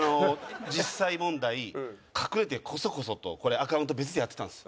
実際問題隠れてコソコソとこれアカウント別でやってたんです。